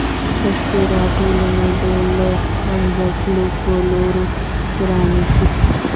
اشتراکي ټولنې د له منځه تلو په لور روانې شوې.